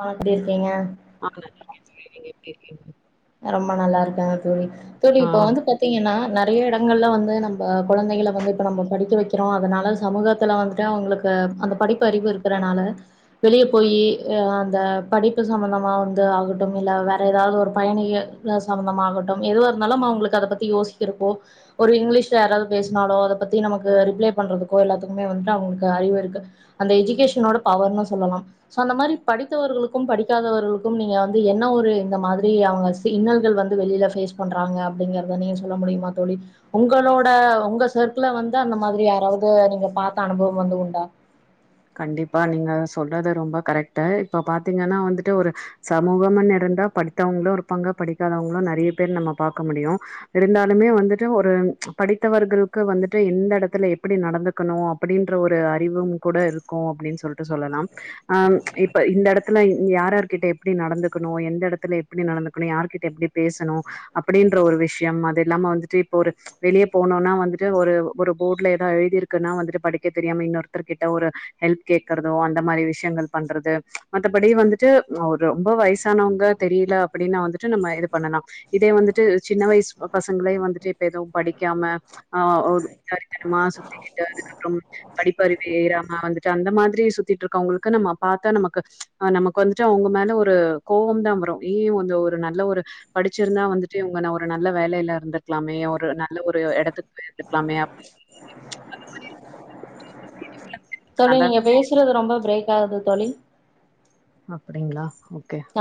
அ எப்படி இருக்கீங்க [unintelligible] எப்டி இருக்கீங்க அ ரொம்ப நல்லா இருக்க தோழி தோழி இப்ப ஆ. வந்து பாத்தீங்கனா நட் நறைய இடங்கள்ல வந்து நம்ப குழந்தைகள வந்து இப்ப நம்மோ படிக்க வைக்கிறோ அதனால சமூகத்துல வந்துட்டு அவுங்ளுக்கு அந்த படிப்பு அறிவு இருக்றனால வெளியே போயி அந்த படிப்பு சம்பந்தமா வந்து ஆகட்டும் இல்ல வேற ஏதாவது ஒரு பயணிகள் ல சம்பமந்தமாகட்டும் எதுவா இருந்தாலும் அவுங்ளுக்கு அத பத்தி யோசிக்கிறப்போ ஒரு இங்கிலீஷ்ல யாராவது பேசுனாலோ அத பத்தி நமக்கு ரிப்ளை பண்றதுக்கோ எல்லாத்துக்குமே வந்துட்டு அவுங்ளுக்கு அறிவு இருக்கு அந்த எஜுகேஷனோட பவர்னு சொல்லலாம் சோ அந்த மாரி படித்தவர்களுக்கும் படிக்காதவர்களுக்கும் நீங்க வந்து என்ன ஒரு இந்த மாதிரி ஃபர்ஸ்டு இன்னல்கள் வந்து வெளில பேஸ் பண்றாங்க அப்டிங்கறத நீங்க சொல்ல முடியுமா தோழி உங்களோட உங்க சர்க்ள வந்து அந்த மாதிரி யாராவது நீங்க பாத்த அனுபவம் வந்து உண்டா கண்டிப்பா நீங்க சொல்றது ரொம்ப கரெக்டு இப்ப பாத்திங்கனா வந்துட்டு ஒரு சமூகம்னு இருந்தா படித்தவங்களும் இருப்பாங்க படிக்காதவங்களும் நறைய பேர் நம்ம பாக்க முடியு இருந்தாலுமே வந்துட்டு ஒரு படித்தவர்களுக்கு வந்துட்டு இந்த எடத்துல எப்டி நடந்துக்கணும் அப்டின்ற ஒரு அறிவும் கூட இருக் கு அப்டின் சொல்ட்டு சொல்லலாம் ஆ இப்ப இந்த எடத்துல யாரார்கிட்ட எப்டி நடந்துக்கணும் எந்த எடத்துல எப்டி நடந்துக்கணும் யாருகிட்ட எப்டி பேசணும் அப்டின்ற ஒரு விஷ்யம் அது இல்லாம வந்துட்டு இப்ப ஒரு வெளிய போனுனா வந்துட்டு ஒரு ஒரு போர்ட்ல ஏதா எழுதிருக்குன்னா வந்துட்டு படிக்க தெரியாம இன்னொருத்தர்கிட்ட ஒரு ஹெல்ப் கேக்றதோ அந்த மாரி விஷ்யங்கள் பண்றது மத்தபடி வந்துட்டு மோ ரு ரொம்ப வயசானவங்க தெரில அப்டினா வந்துட்டு நம்ம இது பண்ணலா இதே வந்துட்டு சின்ன வயசு பசங்ளே வந்துட்டு இப்ப எதும் படிக்காம ஆ ஊதாரித்தனமா சுத்திக்கிட்டு அதுக்கப்றம் படிப்பறிவு ஏறாம வந்துட் டு அந்த மாதிரி சுத்திட் இருக்றவங்களுக்கு நம்ம பாத்தா நமக்கு அ நமக் வந்துட்டு அவுங்க மேல ஒரு கோவம் தா வரும் ஏ கொஞ்சோ ஒரு நல்ல ஒரு படிச்சிருந்தா வந்துட்டு இவுங்க ஒரு நல்ல வேலேல இருந்திருக்கலாமே ஒரு நல்ல ஒரு எடத்துக்கு போய் இருந்திருக்கலாமே அப்டினு அந்த மாரி இருந்திருக்கலாமே தோழி நீங்க பேசுறது ரொம்ப பிரேக் காது தோழி அப்டிங்ளா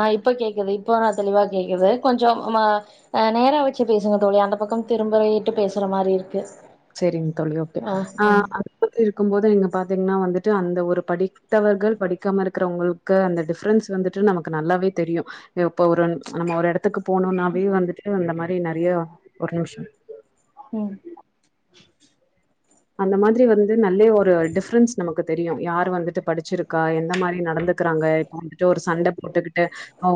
ஆ இப்ப கேக்குது இப்பனாத் தெளிவா கேட்குது கொஞ்சோ ம் ஆ நேரா வச்சு பேசுங்க தோழி அந்த பக்கம் திரும்பறேட்டு பேசுற மாரி இருக்கு செரிங்க தோழி ஓகே ஆ அது மாதிரி இருக்கும் போது நீங்க பாத்தீங்னா வந்து ட்டு அந்த ஒரு படித்தவர்கள் படிக்காம இருக்கறவங்களுக்கு அந்த டிஃப்ரன்ஸ் வந்துட்டு நமக்கு நல்லாவே தெரியு இப்ப ஒரு நம்ம ஒரு எடத்துக்கு போனுனாவே வந்துட்டு அந்த மாரி நறைய ஒரு நிம்ஷோ ம் அந்த மாதிரி வந்து நல்லே ஒரு டிஃப்ரென்ஸ் நமக்கு தெரியு யார் வந்துட்டுப் படிச்சிருக்கா எந்த மாரி நடந்துக்குறாங்க இப்போ வந்துட்டு ஒரு சண்ட போட்டுக்கிட்டு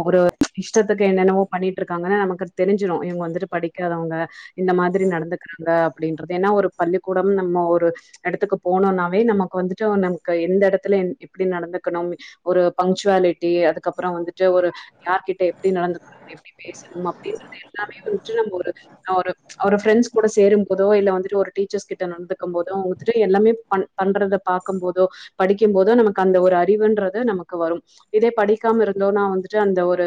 ஒரு இஷ்டத்துக்கு என்னென்னவோ பண்ணிட்டுருக்காங்கன்னு நமக் கு தெரிஞ்சிரு இவுங்க வந்துட்டு படிக்காதவங்க இந்த மாதிரி நடந்துக்கிறாங்க அப்டின்றது ஏனா ஒரு பள்ளிக்கூட் நம் நம்ம ஒரு எடத்துக்கு போனோனாவே நமக்கு வந்துட்டு நமக்கு எந்த எடத்துல எந் எப்டி நடந்துக்கணும் ஒரு பங்க்சுவாலிட்டி அதுக்கப்பறோ வந்துட்டு ஒரு யார்கிட்ட எப்டி நடந்துக்கணும்னு எப்டி பேசணும் அப்டின்றது எல்லாமே வந்துட்டு நம்ம ஒரு அவரு அவரு ஃப்ரெண்ட்ஸ் கூட சே சேரும் போதோ இல்ல வந்துட்டு ஒரு டீச்சர்ஸ் கிட் ட நடந்தக்கும் போதும் உத்துட்டு எல்லாமே பண் பண்றத பாக்கும் போதோ படிக்கும் போதோ நமக் அந்த ஒரு அறிவுன்றது நமக்கு வரும் இதே படிக்காம இருந்தோன வந்துட்டு அந்த ஒரு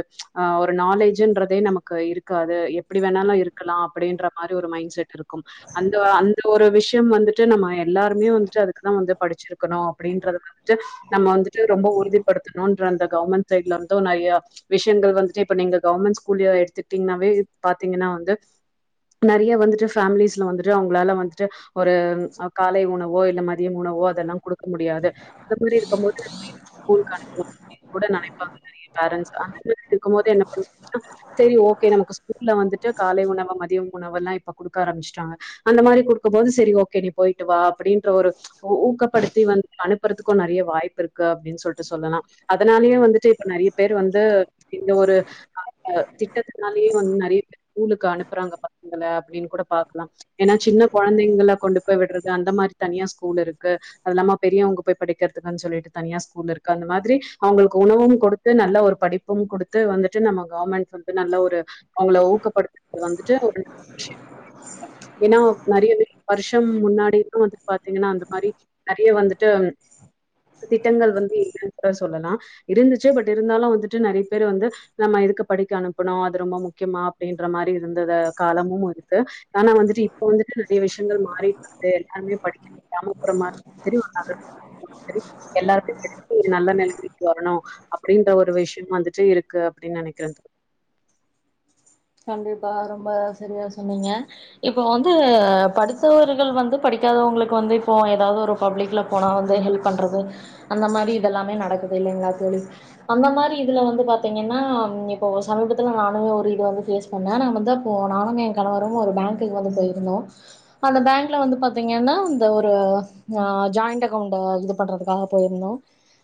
ஒரு நாலேஜு என்றதே நமக்கு இருக்காது எப்டி வேணாலு இருக்கலா அப்டின்ற மாரி ஒரு மைன்ட் செட்டிருக்கும் அந்த அந்த ஒரு விஷ் விஷ்யம் வந்துட்டு நம்ம எல்லாருமே வந்துட்டு அதுக்குதா வந்து படிச்சிருக்கணும் அப்டின்றது வந்துட்டு நம்ம வந்துட்டு ரொம்ப உறுதிப்படுத்தணுன்ற அந்த கவர்மெண்ட் சைட்ல வந்தும் நறைய விஷ்யங்கள் வந்துட்டு இப்ப நீங்க கவர்மெண்ட் ஸ்கூல்லியே எடுத்துட்டீங்கனாவே இர் பாத்தீங்கனா வந்து நறைய வந்துட்டு ஃபேமிலிஸ்ல வந்துட்டு அவுங்களால வந்துட்டு ஒரு ம் அ காலை உணவோ இல்ல மதியம் உணவோ அதெல்லா குடுக்க முடியாது அந்த மாரி இருக்கும் போது [unintelligible] ஸ்கூலுக்கு அனுப்பனும் அப்டின் கூட நனைப்பாங்க நறைய பேரன்ட்ஸ் அந்த மாரி இருக்கும் போது என்ன பண்ணா முடியு செரி ஓகே நமக்கு ஸ்கூல்ல வந்துட்டு காலை உணவு மதியம் உணவெல்லா இப்ப குடுக்க ஆரம்பிச்சிட்டாங்க அந்த மாரி குடுக்கும்போது செ செரி ஓகே நீ போய்ட்டு வா அப்டின்ற ஒரு ஊ ஊக்கப்படுத்தி வந் அனுப்பறதுக்கும் நறைய வாய்ப்புருக்கு அப்டின் சொல்ட்டு சொல்லலா அதனாலயே வந்துட்டு இப்ப நறைய பேரு வந்து இந்த ஒரு ஆக திட்டத்தினாலயே வந்து நறைய பேரு ஸ்கூலுக்கு அனுப்பறாங்க பசங்கள அப்டின் கூட பாக்லா ஏனா சின்ன கொழந்தைகள கொண்டு போய் விட்றது அந்த மாரி தனியா ஸ்கூலிருக்கு அதில்லாம பெரியவங்க போய் படிக்கறதுகானு சொல்லிட்டு தனிய ஸ்கூலிருக்கு அந்த மாதிரி அவுங்ளுக்கு உணவும் கொடுத்து நல்ல ஒரு படிப்பும் குடுத்து வந்துட்டு நம்ம கவர்மெண்ட் வந்து நல்ல ஒரு அவுங்கள ஊக்கப்படுத்துறதுக்கு வந்துட்டு [unintelligible] ஏனா நறைய லீ வருஷம் முன்னாடி இருந்து வந்துட்டு பாத்தீங்கன்னா அந்த மாரி நறைய வந்துட்டு திட்டங்கள் வந்து இல்லன்னு கூட சொல்லலா இருந்துச்சு பட் இருந்தாலு வந்துட்டு நறைய பேர் வந்து நம்ம எதுக்கு படிக்க அனுப்புனுஅது ரொம்பா முக்கியமா அப்டின்ற மாரி இருந்தத காலமும் வந்துட்டு ஆனா வந்துட்டு இப்போ வந்துட்டு நறைய விஷ் யங்கள் மாறிட்டு வருது [unintelligible] படிக்க விடாம ஒரு மா திரி [unintelligible] எல்லாரும் நல்ல நிலமைக்கு வரணு அப்படின்ற ஒரு விஷய வந்துட்டு இருக்கு அப்படின்னு நினைக்கிறே கண்டிப்பா ரொம்ப சரியா சொன்னீங்க இப்போ வந்து படித்தவர்கள் வந்து படிக்காதவங்களுக்கு வந்து இப்போ ஏதாவது ஒரு பப்ளிக்ல போனா வந்து ஹெல்ப் பண்றது அந்த மாரி இது எல்லமே நடக்குது இல்லாங்கலா அந்த மாரி இதல வந்து பார்த்திங்கனா இப்போ சமிபத்திலா நானு ஒரு இது வந்து [unintelligible] பண்ண நா வந்து அப்போ நானு கணவரும் ஒரு பேங்க்கு வந்து போய்யிருந்தோ அந்த பேங்க்ல வந்து பாத்திங்கனா அந்த ஒரு அ ஜாயிண்ட் அக்கவுண்ட் இது பண்றதுக்காக போயிருதோ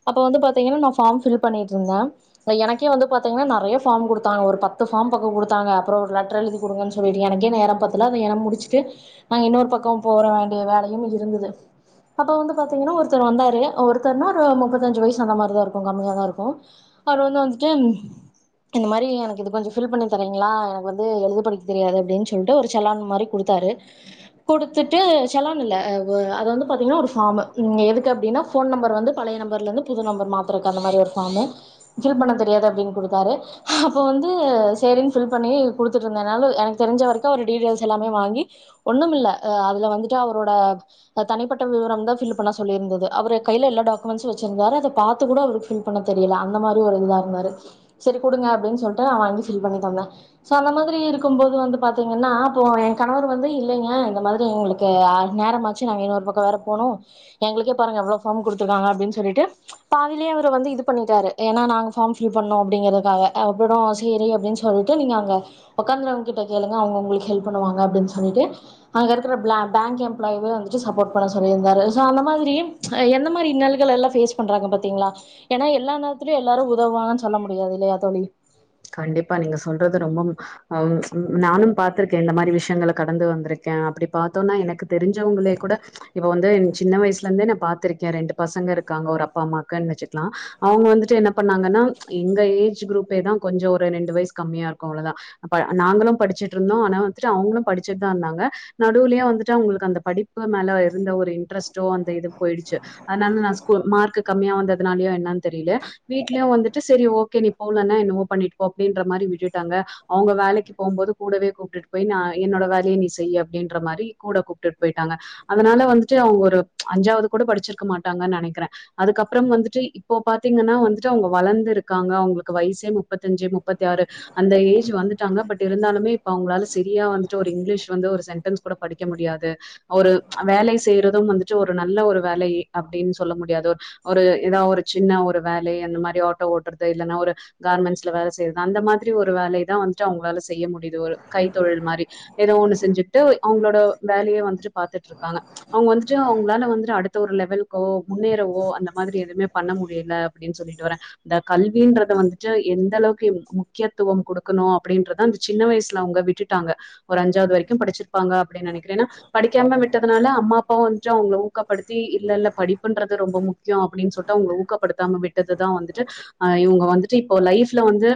அப்ப வந்து பாத்தீங்கன்னா நா பார்ம் பீல் பண்ணிட்டு இருந்தேன் சோ எனக்கே வந்து பாத்தீங்கன்னா நெறைய பார்ம் கொடுத்தாங்க ஒரு பத்து பார்ம் பக்க கொ கொடுத்தாங்க அப்புறோ ஒரு லெட்டர் எழுதி கொடுங்கன்னு சொல்லிட்டு எனக்கே நேரம் பத்ல அத என முடிச்சுக்கு நாங்க இன்னொரு பக்கம் போகற வேண்டிய வேலையும் இருந்தது அப்போ வந்து பார்த்தீங்கன்னா ஒருத்தர் வந்தாரு ஒருத்தர்னா ஒரு முப்பத்தஞ்சு வயசு அந்தமாரிதா இருக்கு கம்மியாக தா இருக்கு அறவந்து வந்துட்டு இந்த மாரிக் இது கொஞ்ச ஃபில் பண்ணி தரீங்களா எனக்கு வந்து எழுது படிக்க தெரியாது அப்படின்னு சொல்லிட்டு ஒரு செலான் மாரி கொடுத்தரு கொடுத்துட்டு செலான் இல்ல அ அது வந்து பார்த்திங்கனா ஒரு பார்மு எதுக்கு அப்படினா போன் நம்பர் வந்து பழைய நம்பர்லாயிருந்து புதிய போன் நம்பர் மாத்தரத்துக்கு அந்த ஒரு மாரி ஒரு பார்மு ஃபில் பண்ண தெரியாதுன்னு கொடுத்துதாறு அப்போ வந்து சேரி ஃபில் பண்ணி கொடுத்துட்டு இருந்தேனால எனக்கு தெரிஞ்ச வரைக்கு ஒரு டிடிஎ எல்லாமே வாங்கி ஒண்ணும் இல்ல அ அதல வந்துட்டு அவரோட அ தனிப்பட்ட விவரம் தா பில்லு பண்ண சொல்லியிருநந்து அவர் கையில் எல்ல டாக்மெண்ட்ஸ் வைஞ்சினுருந்தார் அது பார்த்துகூட அத ஃபில் பண்ண தெரிலா அந்த மாரி இது இருந்தாரு சேரி கொடுங்க அப்படின் சொல்ட்டு அவங் ல சோ அந்த மாதிரி இருக்கு போது வந்து பாத்தீங்கன்னா இப்போ என் கணவர் வந்து இல்லைங்க இந்த மாதிரி எங்களுக்கு நேரமாச்சுங்க இன்னொரு பக்க வேற போனு எங்களுக்கே பாருக்காங்க எவ்வளவு ஃபாம் கொடுத்துறாங்கா அப்படின்னு சொல்லிட்டு பாதிலேயே அவர் இது பண்ணிட்டாறு ஏன நாங்க ஃபாம் ஃபீல் பண்ணனு அப்படியின்றதுகா அப்புறோ சேரி சொல்லிட்டு நீங்கங்க அங்க உக்கதினா இருக்கிறவங்கட்டா கேளுங்க அவங்க உங்களுக்கு ஹெல்ப் பண்ணுவாங்க அப்படி சொல்லிட்டு அங்க இருக்கிற பிளாங் பேங்க எம்ப்ளாயிவோ வந்துட்டு சாப்போர்ட் பண்ண சொல்லிட்டு சோ அந்த மாதிரி எந்த மாரி இன்னல்கள்ள எல்லா பேஸ் பண்றாங்க பாத்தீங்களா ஏன்னா எல்லா நேரத்துலயும் எல்லாரு உதவாங்கன்னு சொல்ல முடியாது இல்லையா தோழி இப்ப நீங்க சொல்றது ரொம்ப அ ம் நானும் பா்த்திருக்கே இந்த மாரி விஷயங்களை கடந்து வந்திருக்கே அப்படி பார்த்தோம்னா எனக்கு தெரிஞ்சவங்களே கூட இப்போ வந்து சின்ன வயசுல இருந்தே நா பாார்த்திருக்கே ரெண்டு பசங்க இருக்காங்க ஒரு அப்பா அம்மாக்குன்னு வச்சுக்கலா அவங்க வந்துட்டு என்ன பண்ணாங்கன்னா எங்க ஏஜ் குரூப்பே தா கொஞ்ச ஒரு ரெண்டு வயசு கம்மியா இருக்கு அவ்வளவுதா அப்ப நாங்களு படிச்சுட்டு இருந்தோ ஆனா வந்துட்டு அவங்களு படிச்சுட்டு தா இருந்தாங்க நடுவுலையா வந்துட்டு அவங்களுக்கு அந்த படிப்பு மேல இந்த ஒரு இன்ட்ரஸ்டோ அந்த இது போயிடுச்சு அதனால நா ஸ்கூல் மார்க்கு கம்மியா வந்ததுனாலயோ என்னு தெரியல வீட்டுலய வந்துட்டு சேரி ஓகே நீ போகலனா என்னவோ பண்ணிட்டு போ அப்படின்ற மாரி விட்டுட்டாங்க அவங்க வேலைக்கு போகும் போது கூடவே கூப்பிட்டு போய் நா என்னோட வேலையை நீ செய்ய அப்படின்ற மாரி கூட கூப்டுட் போயிட்டாங்க அதனால வந்துட்டு அவங்க ஒரு அஞ்சாவது கூட படிச்சிருக்க மாட்டாங்கன்னு நினைக்கிறே அதுக்கப்புறம் வந்துட்டு இப்போ பாத்தீங்கன்னா வந்துட்டு அவங்க வளர்ந்து இருக்காங்க அவங்களுக்கு வயசே முப்பத்தஞ்சு முப்பத்தி ஆறு அந்த ஏஜ் வந்துட்டாங்க பட் இருந்தாலுமே இப்ப அவங்களால சரியா வந்துட்டு ஒரு இங்கிலீஷ் வந்து ஒரு சென்டன்ஸ் கூட படிக்க முடியாது ஒரு வேலை செய்யறது வந்துட்டு ஒரு நல்ல ஒரு வேலை அப்படின்னு சொல்ல முடியாது ஒரு ஏதாவது ஒரு சின்ன ஒரு வேலை அந்த மாரி ஆட்டோ ஓட்டுறது இல்லைன்னா ஒரு கார்பன்ஸ் வேலை செய்யறது அந்த மாதிரி ஒரு வேலைதா வந்துட்டு அவங்களால செய்ய முடியுது ஒரு கைத்த தொழில் மாரி ஏதோ ஒண்ணு செஞ்சுட்டு அவங்களோட வேலையே வந்துட்டு பாரத்துட்டு இருக் அவங்க வந்துட்டு அவங்களால வந்துட்டு அடுத்த ஒரு லெவலுக்கோ முன்னேறவோ அந்த மாதிரி எதுவுமே பண்ண முடியல அப்படின்னு சொல்லிட்டு வரேன் இந்த கல்வின்றத வந்துட்டு எந்த அளவுக்கு முக்கியத்துவம் கொடுக்கணு அப்படின்றத அந்த சின்ன வயசுல அவங்க விட்டுட்டாங்க ஒரு அஞ்சாவது வரைக்கு படிச்சிருப்பாங்க அப்படின்னு நினைக்கிறேன்னா படிக்காம விட் விட்டதினால அம்மா அப்பாவ வந்துட்டு அவங்க ஊக்கப்படுத்தி இல்ல இல்ல படிப்புன்றது ரொம்ப முக்கியம் அப்படின்னு சொல்லட்டு அவங்க ஊக்கப்படுத்தாம விட்டதுதா வந்துட்டு இங்க வந்துட்டு இப்போ லைஃப்ல வந்து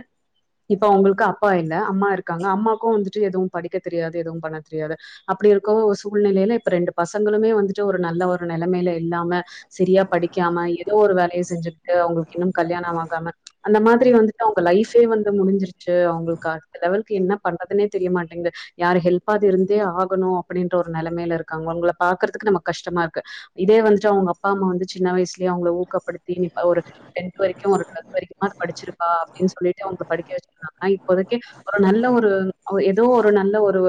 இப்ப அவங்களுக்கு அப்பா இல்ல அம்மா இருக்காங்க அம்மாக்கு வந்துட்டு எதுவும் படிக்க தெரியாது எதுவு பண்ண தெரியாது அப்படி இருக்க சூழ்நிலையில ரெண்டு பசங்களுமே வந்துட்டு ஒரு நல்ல ஒரு நிலைமில இ இல்லாம சரியா படிக்காம ஏதோ ஒரு வேலையை செஞ்சட்டு அவங்களுக் இன்னும் கல்யாணம் ஆகாம அந்த மாதிரி வந்துட்டு அவங்க லைஃபே வந்து முடிஞ்சிருச்சு அவங்களுக்கு அந்த லெவலக்கு என்ன பண்றதுனே தெரியமாட்டேங்கு யாரு ஹெல்ப்து இருந்தே ஆகணு அப்படின்ற ஒரு நிலைமையில இருக் [unintelligible] அவங்க பாக்கறதுக்கு நம்ம கஷ்டமா இருக்கு இதே வந்துட்டு அவங்க அப்பா அம்மா வந்து சின்ன வயசுலயே அவங்க ஊக்கப்படுத்திப்ப ஒரு டென்த் வரைக் [unintelligible] ஒரு டுவல்த் வரைக்குமாது படிச்சிருப்பா அப்படின்னு சொல்லிட்டு அவங்க படிக்க வச்சிருந்தாங்கன்னா இப்போதைக்க ஒரு நல்ல ஒரு அ ஏதோ ஒரு நல்ல ஒரு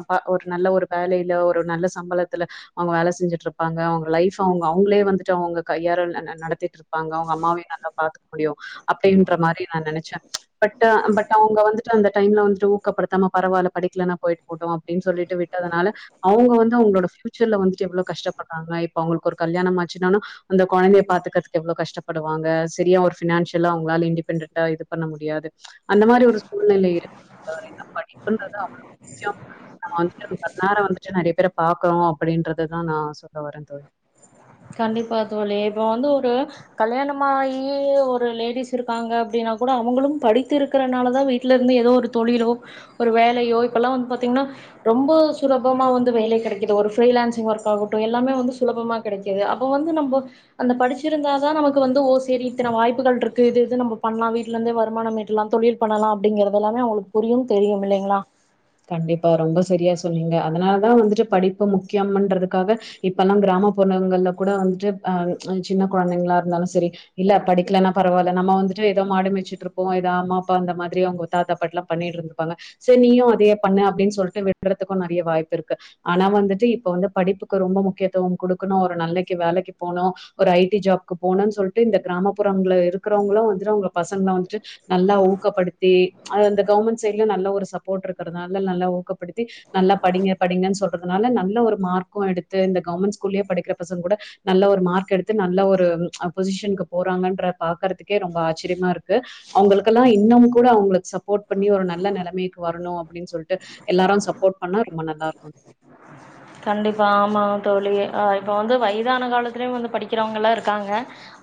அப்பா ஒரு நல்ல ஒரு வேலையிலோ ஒரு நல்ல ஸ் சம்பலத்துலா அவங்க வேலை செஞ்சட்டு இருப்பாங்க அவங்க லைப் அவங்க அவங்கள வந்து அவங்க கையர ந ந நடத்திட்டு இருப்பாங்க அவங்க அம்மாவே நல்லா பாத்துக்க முடியும் அப்படின்ற மாரி நா நினைச்சே பட்டு பட் அவங்க அந்த டைம்ல வந்துட்டு ஊக்கப்படுத்தாம பரவால்ல படிக்கல போயிட்டு போட்டோ அப்படின்னு சொல்லிட்டு விட்டதுனால அவங்க வந் அவங்களோட ஃபியூச்சர்ல வந்துட்டு எவ்வளவு கஷ்டப்படுறாங்க இப்ப அவங்க ஒரு கல்யாணம் ஆச்சுன்னால அந்த கொழந்தைய பாத்துக்கிறதுக்கு எவ்வளோ கஷ்டப்படுவாங்க சரியா ஒரு பினான்சியலா அவங்களால இன்டிபெண்டண்டா இது பண்ண முடியாது அந்த மாரி ஒரு சூழ்நிலை இருக்கு [unintelligible] படிப்புன்றது [unintelligible] நம வந்துட்டு பன்னாரம் வந்துட்டு நெறைய பேர பாக்கறோ அப்படின்றதுதா நா சொல்ல வரேன் தோழி கண்டிப்பா தோழி இப்ப வந்து ஒரு கல்யாணமாகி ஒரு லேடிஸ் இருக்காங்க அப்படின்னா கூட அவங்களும் படித்து இருக்கிறனாலதா வீட்ல இருந்து ஏதோ ஒரு தொழிலோ ஒரு வேலையோ இப்ப எல்லா வந்து பாார்த்தீங்கன்னா ரொம்ப சுலபமா வந்து வேலை கிடைக்குது ஒரு ஃப்ரீலான்சிங் ஒர்க் ஆகட்டு எல்லாமே வந்து சுலபமா கெடைக்குது அப்ப வந்து நம்ம அந்த படிச்சிருந்தாதா நமக்கு வந்து ஓ சரி இத்தன வாய்ப்புகள் இருக்கு இது இது நம்ம பண்லா வீட்டுல இருந்தே வருமான மீட்டலா தொழில் பண்ணலா அப்டிங்கறது எல்லாமே அவங்களுக்கு புரியு தெரியு இல்லைங்களா கண்டிப்பா ரொம்ப சரியா சொன்னீங்க அதனாலதா வந்துட்டு படிப்பு முக்கியம்ன்றதுக்காக இப்ப எல்லா கிராமப்புறகங்கள்ல கூட வந்துட்டு அ சின்ன குழந்தைங்களா இருந்தாலு சரி இல்ல படிக்கலன்னா பரவாயில்ல நம்ம வந்துட்டு ஏதோ மாடுமேச்சுட்டு இருப்போ ஏதோ அம்மா அப்பா அந்த மாதிரி அவங்க தாத்தா பாட்டிலா பண்ணிட்டு இருந்திருப்பாங்க சரி நீயு அதயே பண்ண அப்டின்னு சொல்லிட்டு விடுறதுக்கு நறையா வாய்ப்பு இருக்கு ஆனா வந்துட்டு இப்ப வந்து படிப்புக்கு ரொம்ப முக்கியத்துவோ குடுக்கணு ஒரு நல்லக்கி வேலைக்கு போனு ஒரு ஐ டி ஜாப்க்கு போனுனு சொல்லிட்டு இந்த கிராமப்புறங்கள்ள இருக்கிறவங்களு வந்துட்டு அவங்க பசங்கள வந்துட்டு நல்லா ஊக்கப்படுத்தி ஆ கவுர்மெண்ட் சைட்ல நல்லா ஒரு சப்போர்ட் இருக் கரனால நல்லா ஊக்கடுத்தி நல்லா படிங்க படிங்கன்னு சொல்றதுனால நல்ல ஒரு மார்க்கு எடுத்து இந்த கவர்மெண்ட் ஸ்கூல்ல படிக்கிற பசங்க கூட நல்ல ஒரு மார்க் எடுத்து நல்ல ஒரு பொசிஷனுக்கு போறாங்கன்ற பாக்றதுக்கே ரொம்ப ஆச்சரியமா இருக்கு அவங்களுக்கெல்லா இன்னு கூட அவங்களுக்கு சப்போர்ட் பண்ணி ஒரு நல்ல நெலைமைக்கு வரணு அப்டின்னு சொல்லிட்டு எல்லாரு சப்போர்ட் பண்ணா ரொம்ப நல்லா இருக்கு கண்டிப்பா ஆமா தோழி ஆ இப்ப வந்து வயதான காலத்துலயு வந்து படிக்கிறவங்கள்ளா இருக்காங்க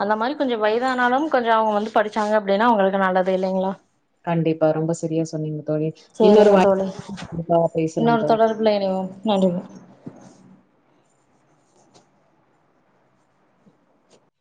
அந்த மாரி கொஞ்சொ வயதானாலு கொஞ்சோ அவங்க வந்து படிச்சாங்க அப்டின்னா அவங்களுக்கு நல்லது இல்லைங்களா கண்டிப்பா ரொம்ப சரியா சொன்னீங்க தோழி சரிங்க இன்னொரு தோழி வாய்ப்பு பேசலாம் இன்னொரு தோழி தொடர்ப்புல இணைவோ நன்றி